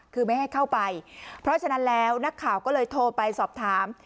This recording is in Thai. คือไม่ให้เข้าไปเพราะฉะนั้นแล้วนักข่าวก็เลยโทรไปสอบถาม